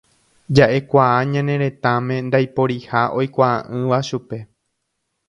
Jaʼekuaa ñane retãme ndaiporiha oikuaaʼỹva chupe.